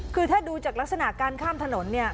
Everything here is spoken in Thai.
คือถ้าดูจากลักษณะการข้ามถนนเนี่ย